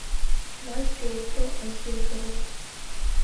Нас џьоукы ахьирхәыроуп.